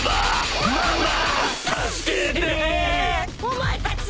お前たち！